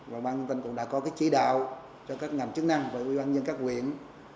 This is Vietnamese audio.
và ban dân tỉnh cũng đã có cái chỉ đạo cho các ngành chức năng và ủy ban dân các quyển